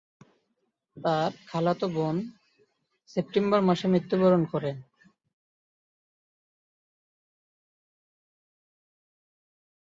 তার খালাতো বোন সেপ্টেম্বর মাসে মৃত্যুবরণ করে।